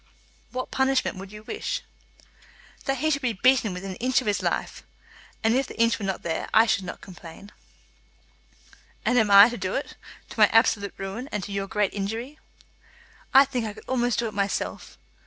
"What punishment would you wish?" "That he should be beaten within an inch of his life; and if the inch were not there, I should not complain." "And I am to do it, to my absolute ruin, and to your great injury?" "I think I could almost do it myself."